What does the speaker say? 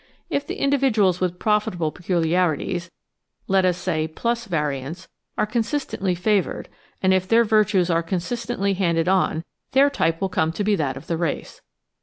If the individuals with profitable peculiarities (let us say, pliLS variants) are con sistently favoured, and if their virtues are consistently handed on, their type will come to be that of the race.